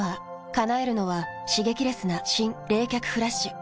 叶えるのは刺激レスな新・冷却フラッシュ。